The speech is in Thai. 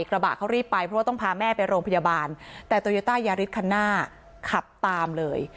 เพราะว่าต้องพาแม่ไปโรงพยาบาลแต่โตโยต้ายาริสข้างหน้าขับตามเลย